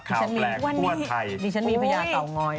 ข้าวแปลงทั่วไทยดิฉันมีพระยาเตางอย